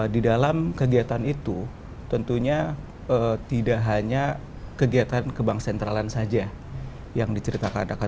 di dalam kegiatan itu tentunya tidak hanya kegiatan kebang sentralan saja yang diceritakan